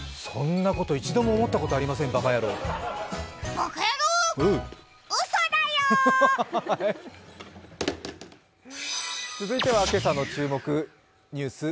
そんなこと一度も思ったことありません、バカヤロー。